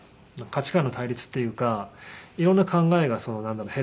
価値観の対立っていうか色んな考えがなんだろう。